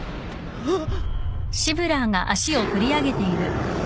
あっ。